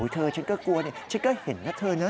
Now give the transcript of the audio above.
เธอฉันก็กลัวนี่ฉันก็เห็นนะเธอน่ะ